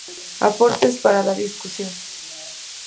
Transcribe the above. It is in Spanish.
Aportes para la discusión.